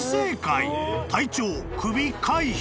［隊長クビ回避］